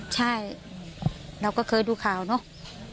ใช่เราก็เคยดูข่าวเนอะ